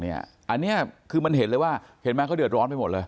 อันนี้คือมันเห็นเลยว่าเห็นไหมเขาเดือดร้อนไปหมดเลย